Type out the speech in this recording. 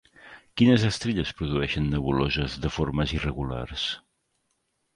Quines estrelles produeixen nebuloses de formes irregulars?